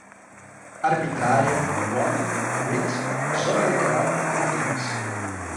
arbitrária, voto, writ, zona eleitoral, eleitores